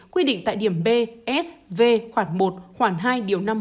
quy định tại điểm b s v khoảng một khoảng hai điều năm mươi một